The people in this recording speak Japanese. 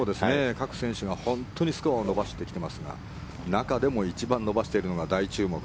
各選手が本当にスコアを伸ばしてきていますが中でも一番伸ばしているのが大注目